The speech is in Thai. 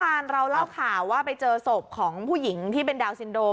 แล้วการเราเล่าข่าวว่าไปเจอโสบของผู้หญิงที่เป็นดรดาลซินโดม